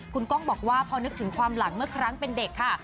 คุณก้องบอกว่าพอนึกถึงความหลังเมื่อครั้งเป็นเด็กค่ะ